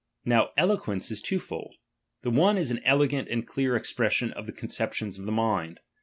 Now eloquence 'S twofold. The one is an elegant and clear ex pression of the conceptions of the mind ; and VOL.